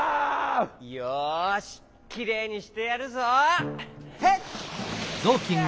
よしきれいにしてやるぞ！